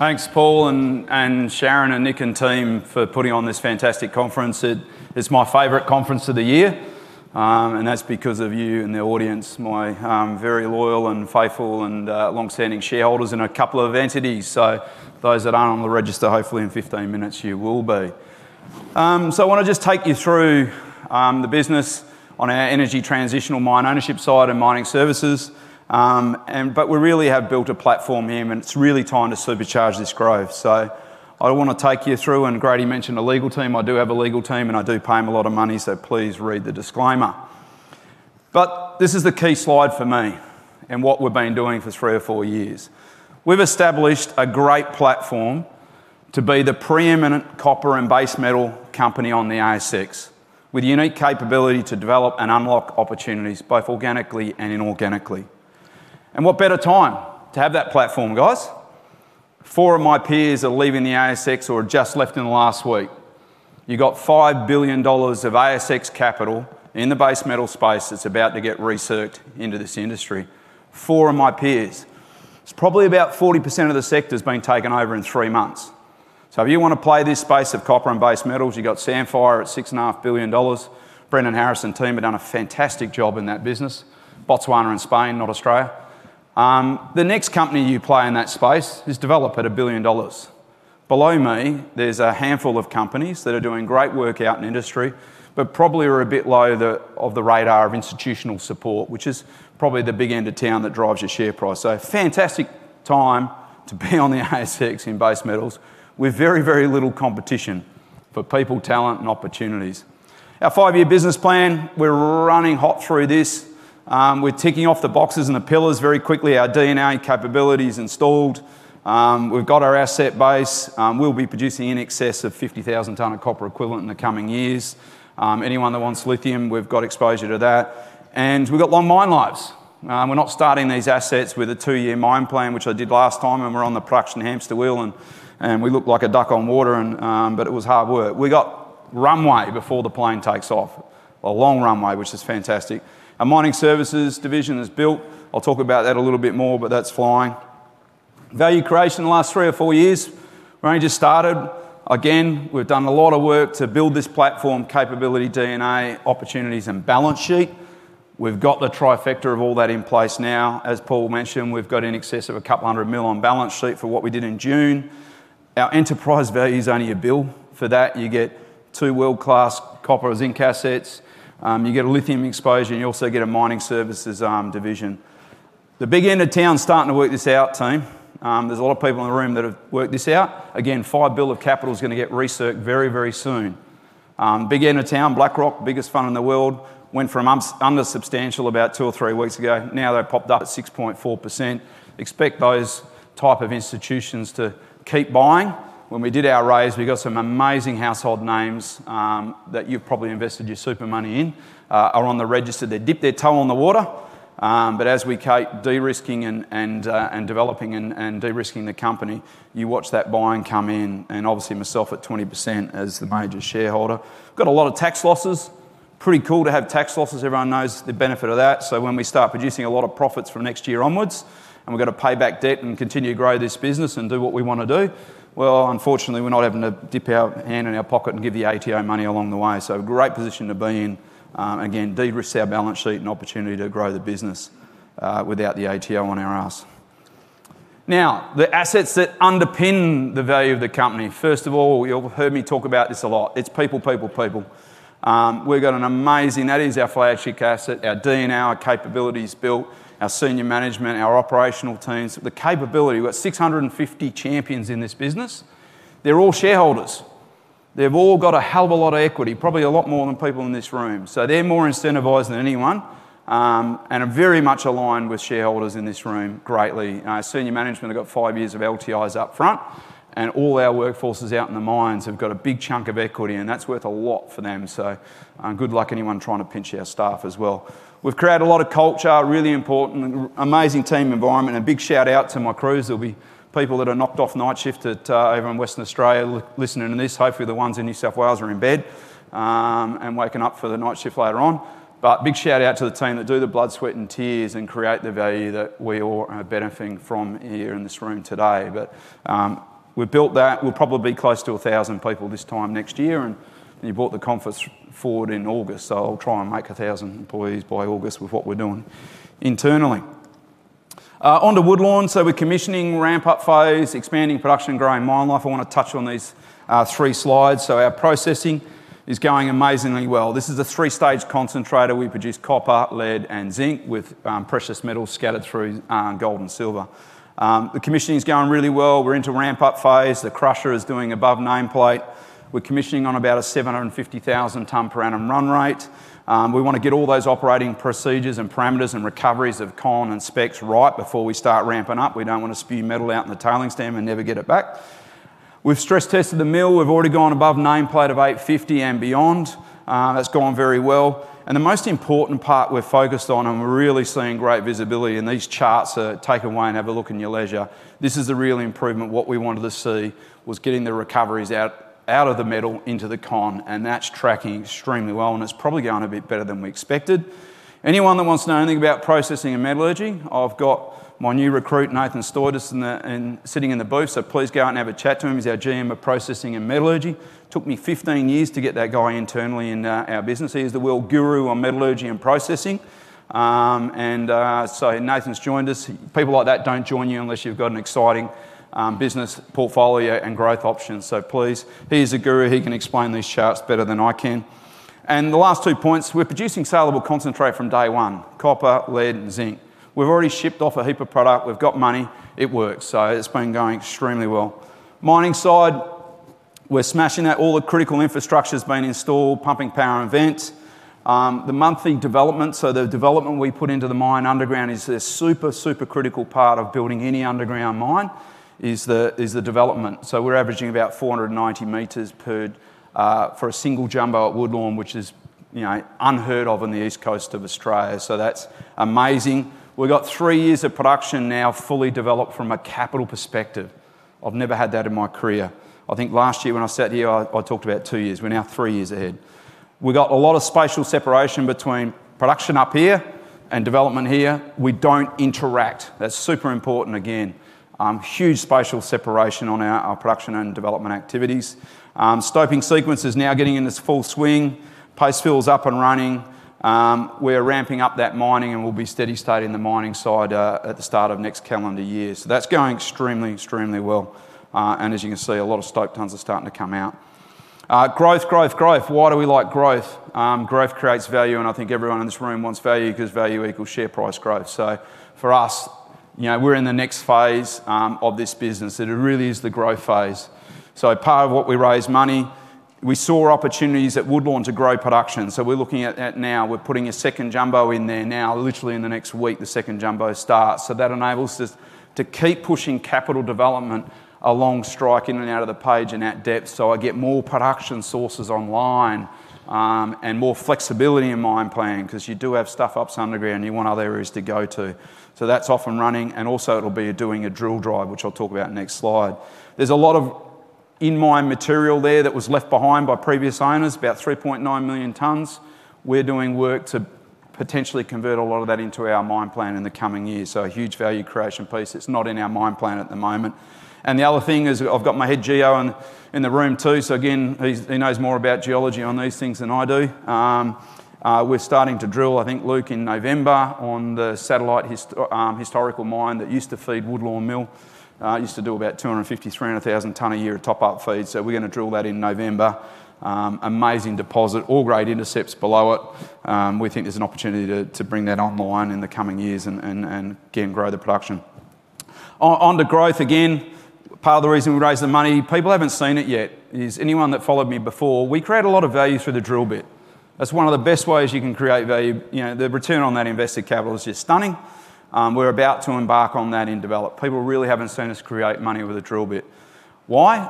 Thanks, Paul and Sharon and Nick and team for putting on this fantastic conference. It is my favorite conference of the year, and that's because of you and the audience, my very loyal and faithful and longstanding shareholders in a couple of entities. Those that aren't on the register, hopefully in 15 minutes, you will be. I want to just take you through the business on our energy transitional mine ownership side and mining services. We really have built a platform here, and it's really time to supercharge this growth. I want to take you through, and Grady mentioned a legal team. I do have a legal team, and I do pay them a lot of money, so please read the disclaimer. This is the key slide for me and what we've been doing for three or four years. We've established a great platform to be the preeminent copper and base metals company on the ASX with unique capability to DEVELOP and unlock opportunities both organically and inorganically. What better time to have that platform? Four of my peers are leaving the ASX or just left in the last week. You've got $5 billion of ASX capital in the base metals space that's about to get re-searched into this industry. Four of my peers. It's probably about 40% of the sector being taken over in three months. If you want to play this space of copper and base metals, you've got Sandfire at $6.5 billion. Brendan Harris's team have done a fantastic job in that business. Botswana and Spain, not Australia. The next company you play in that space is DEVELOP at $1 billion. Below me, there's a handful of companies that are doing great work out in industry, but probably are a bit low of the radar of institutional support, which is probably the big end of town that drives your share price. Fantastic time to be on the ASX in base metals with very, very little competition for people, talent, and opportunities. Our five-year business plan, we're running hot through this. We're ticking off the boxes and the pillars very quickly. Our D&A capability is installed. We've got our asset base. We'll be producing in excess of 50,000 tons of copper equivalent in the coming years. Anyone that wants lithium, we've got exposure to that. We've got long mine lives. We're not starting these assets with a two-year mine plan, which I did last time, and we're on the production hamster wheel, and we look like a duck on water, but it was hard work. We got runway before the plane takes off. A long runway, which is fantastic. Our mining services division is built. I'll talk about that a little bit more, but that's flying. Value creation in the last three or four years, we've only just started. We've done a lot of work to build this platform, capability, D&A, opportunities, and balance sheet. We've got the trifecta of all that in place now. As Paul mentioned, we've got in excess of a couple hundred million on balance sheet for what we did in June. Our enterprise value is only a billion for that. You get two world-class copper zinc assets. You get a lithium exposure, and you also get a mining services division. The big end of town is starting to work this out, team. There's a lot of people in the room that have worked this out. $5 billion of capital is going to get researched very, very soon. Big end of town, BlackRock, biggest fund in the world, went from under substantial about two or three weeks ago. Now they've popped up at 6.4%. Expect those types of institutions to keep buying. When we did our raise, we got some amazing household names, that you've probably invested your super money in, are on the register. They dipped their toe on the water. As we keep de-risking and developing and de-risking the company, you watch that buying come in and obviously myself at 20% as the major shareholder. Got a lot of tax losses. Pretty cool to have tax losses. Everyone knows the benefit of that. When we start producing a lot of profits from next year onwards, and we've got to pay back debt and continue to grow this business and do what we want to do, unfortunately, we're not having to dip our hand in our pocket and give the ATO money along the way. A great position to be in. Again, de-risk our balance sheet and opportunity to grow the business, without the ATO on our ass. Now, the assets that underpin the value of the company, first of all, you'll hear me talk about this a lot. It's people, people, people. We've got an amazing, that is our flagship asset, our D&R, our capabilities built, our senior management, our operational teams, the capability. We've got 650 champions in this business. They're all shareholders. They've all got a hell of a lot of equity, probably a lot more than people in this room. They're more incentivized than anyone. I'm very much aligned with shareholders in this room greatly. Our senior management have got five years of LTIs up front, and all our workforces out in the mines have got a big chunk of equity, and that's worth a lot for them. Good luck anyone trying to pinch our staff as well. We've created a lot of culture, really important, amazing team environment, and a big shout out to my crews. There'll be people that are knocked off night shift over in Western Australia listening to this. Hopefully, the ones in New South Wales are in bed, and waking up for the night shift later on. Big shout out to the team that do the blood, sweat, and tears and create the value that we all are benefiting from here in this room today. We built that. We'll probably be close to a thousand people this time next year, and you brought the conference forward in August. I'll try and make a thousand employees by August with what we're doing internally. Onto Woodlawn. We're commissioning, ramp-up phase, expanding production, growing mine life. I want to touch on these three slides. Our processing is going amazingly well. This is a three-stage concentrator. We produce copper, lead, and zinc with precious metals scattered through, gold and silver. The commissioning is going really well. We're into ramp-up phase. The crusher is doing above nameplate. We're commissioning on about a 750,000 tons per annum run rate. We want to get all those operating procedures and parameters and recoveries of con and specs right before we start ramping up. We don't want to spew metal out in the tailing stem and never get it back. We've stress-tested the mill. We've already gone above nameplate of 850 and beyond. That's gone very well. The most important part we're focused on, and we're really seeing great visibility in these charts, so take away and have a look in your leisure. This is a real improvement. What we wanted to see was getting the recoveries out of the metal into the con, and that's tracking extremely well, and it's probably going a bit better than we expected. Anyone that wants to know anything about processing and metallurgy, I've got my new recruit, Nathan Stoitis, sitting in the booth, so please go out and have a chat to him. He's our GM of Processing and Metallurgy. Took me 15 years to get that guy internally in our business. He's the world guru on metallurgy and processing. Nathan's joined us. People like that don't join you unless you've got an exciting business portfolio and growth options. Please, he's a guru. He can explain these charts better than I can. The last two points: we're producing salable concentrate from day one, copper, lead, and zinc. We've already shipped off a heap of product. We've got money. It works. It's been going extremely well. Mining side, we're smashing that. All the critical infrastructure's been installed: pumping, power, and vents. The monthly development, so the development we put into the mine underground, is a super, super critical part of building any underground mine. The development is the key. We're averaging about 490 m per month for a single jumbo at Woodlawn, which is unheard of on the east coast of Australia. That's amazing. We've got three years of production now fully developed from a capital perspective. I've never had that in my career. I think last year when I sat here, I talked about two years. We're now three years ahead. We've got a lot of spatial separation between production up here and development here. We don't interact. That's super important again. Huge spatial separation on our production and development activities. Stoking sequence is now getting in its full swing. Postfill is up and running. We're ramping up that mining and we'll be steady-state in the mining side at the start of next calendar year. That's going extremely, extremely well. As you can see, a lot of stoked tons are starting to come out. Growth, growth, growth. Why do we like growth? Growth creates value, and I think everyone in this room wants value because value equals share price growth. For us, we're in the next phase of this business. It really is the growth phase. Part of why we raised money, we saw opportunities at Woodlawn to grow production. We're looking at that now. We're putting a second jumbo in there now, literally in the next week, the second jumbo starts. That enables us to keep pushing capital development along strike, in and out of the page, and at depth. I get more production sources online and more flexibility in mine planning because you do have stuff up Sundebry and you want other areas to go to. That's off and running. Also, it'll be doing a drill drive, which I'll talk about next slide. There's a lot of in-mine material there that was left behind by previous owners, about 3.9 million tons. We're doing work to potentially convert a lot of that into our mine plan in the coming year. A huge value creation piece. It's not in our mine plan at the moment. The other thing is I've got my head Geo in the room too. He knows more about geology on these things than I do. We're starting to drill, I think, Luke, in November on the satellite historical mine that used to feed Woodlawn Mill. It used to do about 250,000 tons to 300,000 tons a year of top-up feed. We're going to drill that in November. Amazing deposit, all great intercepts below it. We think there's an opportunity to bring that online in the coming years and again grow the production. On to growth again, part of the reason we raised the money, people haven't seen it yet. Is anyone that followed me before? We create a lot of value through the drill bit. That's one of the best ways you can create value. The return on that invested capital is just stunning. We're about to embark on that in DEVELOP. People really haven't seen us create money with a drill bit. Why?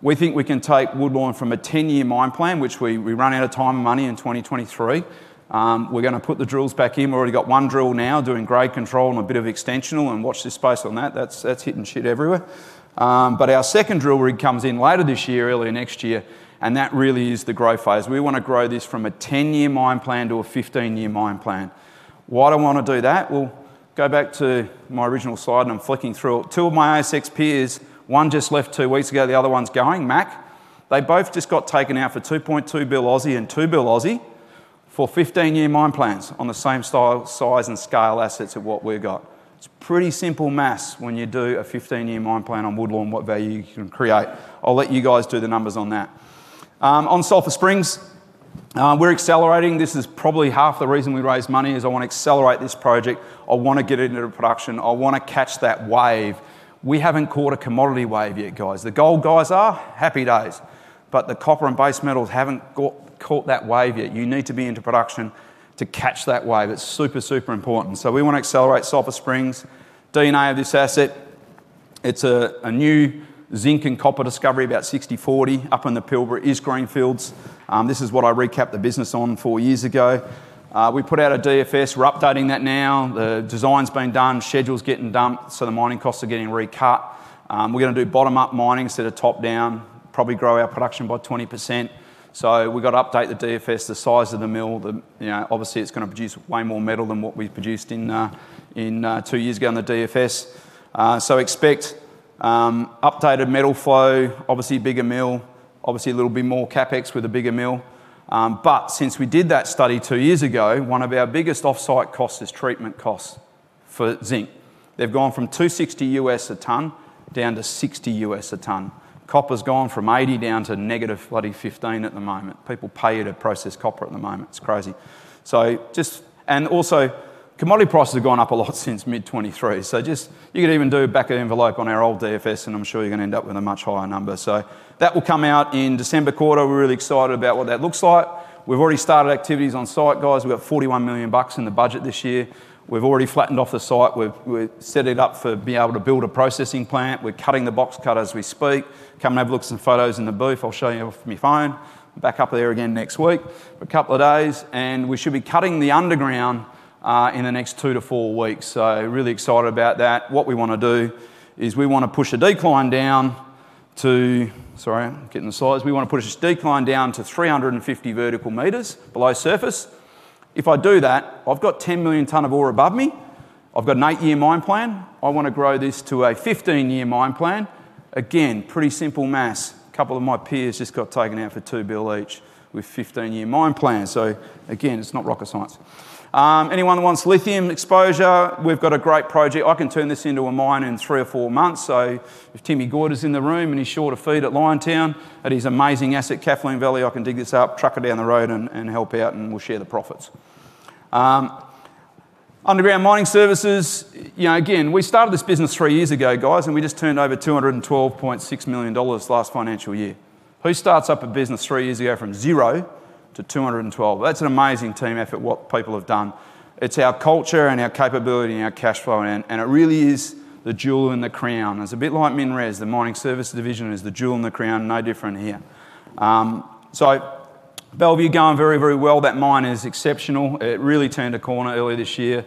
We think we can take Woodlawn from a 10-year mine plan, which we ran out of time and money in 2023. We're going to put the drills back in. We've already got one drill now doing grade control and a bit of extensional, and watch this space on that. That's hitting shit everywhere. Our second drill rig comes in later this year, earlier next year, and that really is the growth phase. We want to grow this from a 10-year mine plan to a 15-year mine plan. Why do I want to do that? Go back to my original slide and I'm flicking through it. Two of my ASX peers, one just left two weeks ago, the other one's going, Mac. They both just got taken out for 2.2 billion and 2 billion for 15-year mine plans on the same style, size, and scale assets of what we've got. It's pretty simple math when you do a 15-year mine plan on Woodlawn, what value you can create. I'll let you guys do the numbers on that. On Sulphur Springs, we're accelerating. This is probably half the reason we raised money, I want to accelerate this project. I want to get it into production. I want to catch that wave. We haven't caught a commodity wave yet, guys. The gold guys are happy days, but the copper and base metals haven't caught that wave yet. You need to be into production to catch that wave. It's super, super important. We want to accelerate Sulphur Springs. DNA of this asset, it's a new zinc and copper discovery, about 60-40 up in the Pilbara East Greenfields. This is what I recapped the business on four years ago. We put out a DFS. We're updating that now. The design's been done. Schedule's getting dumped. The mining costs are getting recut. We're going to do bottom-up mining instead of top-down. Probably grow our production by 20%. We've got to update the DFS, the size of the mill. Obviously, it's going to produce way more metal than what we produced two years ago in the DFS. Expect updated metal flow, obviously bigger mill, obviously a little bit more CapEx with a bigger mill. Since we did that study two years ago, one of our biggest offsite costs is treatment charges for zinc. They've gone from $260 a ton down to $60 a ton. Copper's gone from $80 down to negative $115 at the moment. People pay you to process copper at the moment. It's crazy. Also, commodity prices have gone up a lot since mid-2023. You could even do a back of the envelope on our old DFS and I'm sure you're going to end up with a much higher number. That will come out in the December quarter. We're really excited about what that looks like. We've already started activities on site, guys. We've got $41 million in the budget this year. We've already flattened off the site. We've set it up for being able to build a processing plant. We're cutting the box cut as we speak. Come and have a look at some photos in the booth. I'll show you off my phone. Back up there again next week, a couple of days, and we should be cutting the underground in the next two to four weeks. Really excited about that. What we want to do is we want to push a decline down to—sorry, I'm getting the size. We want to push a decline down to 350 vertical meters below surface. If I do that, I've got 10 million tons of ore above me. I've got an eight-year mine plan. I want to grow this to a 15-year mine plan. Pretty simple math. A couple of my peers just got taken out for $2 billion each with 15-year mine plans. It's not rocket science. Anyone that wants lithium exposure, we've got a great project. I can turn this into a mine in three or four months. If Timmy Gordon's in the room and he's sure to feed at Liontown at his amazing asset, Kathleen Valley, I can dig this up, truck it down the road and help out and we'll share the profits. Underground mining services, you know, we started this business three years ago, guys, and we just turned over $212.6 million last financial year. Who starts up a business three years ago from zero to $212 million? That's an amazing team effort, what people have done. It's our culture and our capability and our cash flow. It really is the jewel in the crown. It's a bit like MinRes. The mining services division is the jewel in the crown, no different here. Bellevue going very, very well. That mine is exceptional. It really turned a corner earlier this year.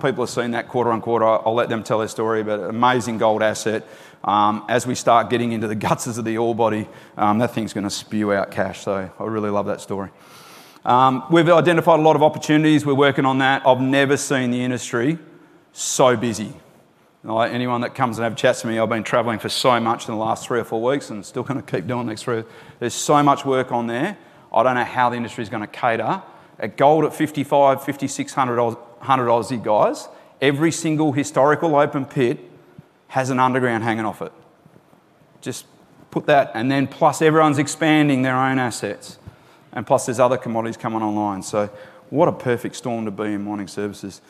People have seen that quarter on quarter. I'll let them tell their story about an amazing gold asset. As we start getting into the gutters of the ore body, that thing's going to spew out cash. I really love that story. We've identified a lot of opportunities. We're working on that. I've never seen the industry so busy. Anyone that comes and chats with me, I've been traveling so much in the last three or four weeks and still going to keep doing this. There's so much work on there. I don't know how the industry is going to cater. At gold at $5,500, $5,600, $6,100 a zit, guys, every single historical open pit has an underground hanging off it. Just put that. Plus everyone's expanding their own assets. Plus there's other commodities coming online. What a perfect storm to be in mining services.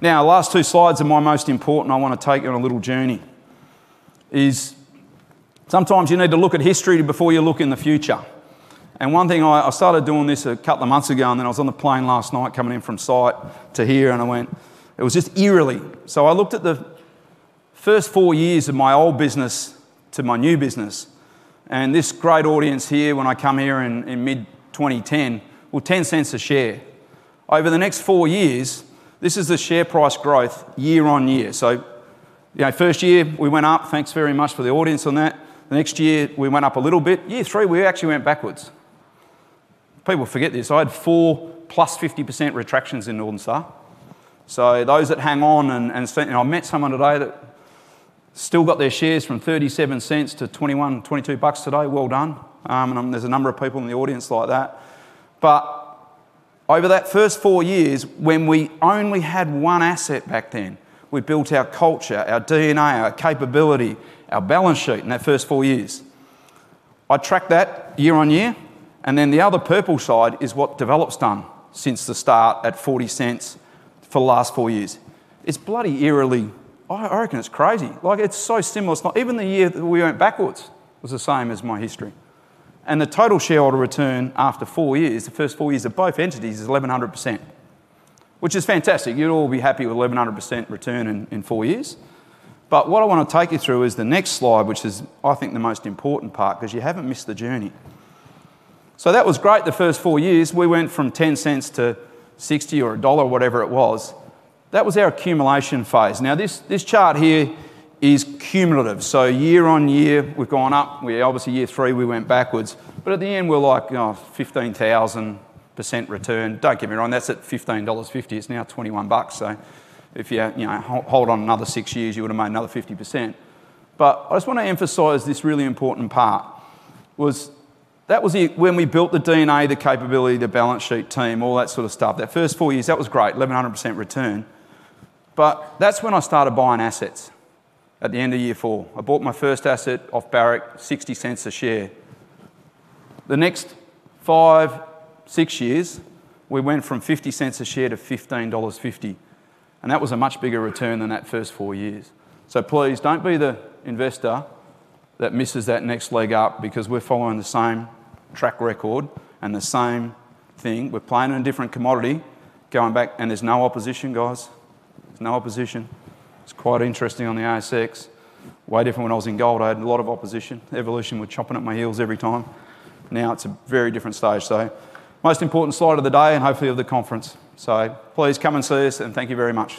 Now, last two slides are my most important. I want to take you on a little journey. Sometimes you need to look at history before you look in the future. One thing I started doing a couple of months ago, and then I was on the plane last night coming in from site to here, and I went, it was just eerily. I looked at the first four years of my old business to my new business. This great audience here, when I come here in mid-2010, with $0.10 a share, over the next four years, this is the share price growth year on year. First year we went up. Thanks very much for the audience on that. The next year we went up a little bit. Year three we actually went backwards. People forget this. I had four +50% retractions in Northern Star. Those that hang on and sent, and I met someone today that still got their shares from $0.37 to $21, $22 today. Well done. There's a number of people in the audience like that. Over that first four years, when we only had one asset back then, we built our culture, our DNA, our capability, our balance sheet in that first four years. I tracked that year on year. The other purple side is what DEVELOP's done since the start at $0.40 for the last four years. It's bloody eerily. I reckon it's crazy. Like it's so similar. It's not even the year that we went backwards was the same as my history. The total shareholder return after four years, the first four years of both entities, is 100%, which is fantastic. You'd all be happy with 100% return in four years. What I want to take you through is the next slide, which is, I think, the most important part because you haven't missed the journey. That was great, the first four years. We went from $0.10 to $0.60 or $1.00, whatever it was. That was our accumulation phase. This chart here is cumulative, so year on year, we've gone up. Obviously, year three, we went backwards. At the end, we're like 15,000% return. Don't get me wrong, that's at $15.50. It's now $21.00. If you hold on another six years, you would have made another 50%. I just want to emphasize this really important part was that was when we built the DNA, the capability, the balance sheet, team, all that sort of stuff. That first four years, that was great, 1,100% return. That's when I started buying assets at the end of year four. I bought my first asset off Barrick, $0.60 a share. The next five, six years, we went from $0.50 a share to $15.50. That was a much bigger return than that first four years. Please don't be the investor that misses that next leg up because we're following the same track record and the same thing. We're planning a different commodity going back. There's no opposition, guys. There's no opposition. It's quite interesting on the ASX. Way different when I was in gold. I had a lot of opposition. Evolution was chopping up my heels every time. Now it's a very different stage. Most important slide of the day and hopefully of the conference. Please come and see us and thank you very much.